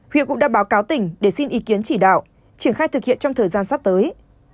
huyện cũng đã báo cáo tỉnh để xin ý kiến chỉ đạo triển khai thực hiện trong thời gian sắp tới